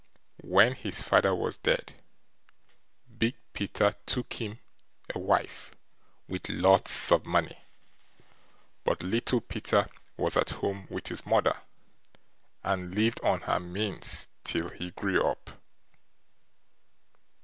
When his father was dead, Big Peter took him a wife with lots of money, but Little Peter was at home with his mother, and lived on her means till he grew up.